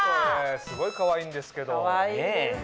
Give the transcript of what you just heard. すごいかわいいんですけど！ねぇ。